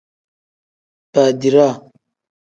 Badiraa.